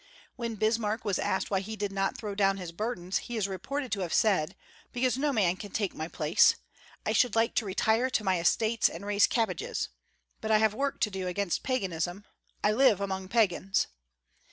When Bismarck was asked why he did not throw down his burdens, he is reported to have said: "Because no man can take my place. I should like to retire to my estates and raise cabbages; but I have work to do against Paganism: I live among Pagans."